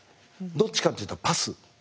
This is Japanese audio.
どっちかというとパス。